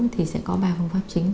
thì sẽ có ba phương pháp chính